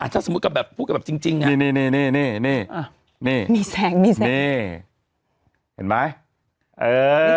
ถ้าสมมุติก็แบบพูดกันแบบจริงนี่มีแสงมีแสงนี่เห็นไหม